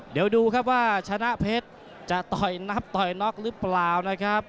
เดี๋ยวดูครับว่าชนะเพชรจะต่อยนับต่อยน็อกหรือเปล่านะครับ